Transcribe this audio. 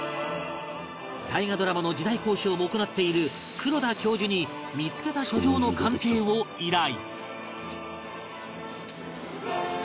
大河ドラマの時代考証も行っている黒田教授に見付けた書状の鑑定を依頼